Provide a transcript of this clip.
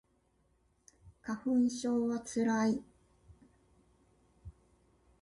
花粉症はつらい